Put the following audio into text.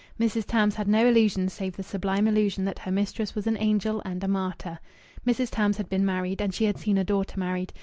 Mrs. Tams had no illusions save the sublime illusion that her mistress was an angel and a martyr. Mrs. Tams had been married, and she had seen a daughter married.